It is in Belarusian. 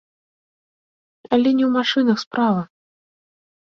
Але не ў машынах справа.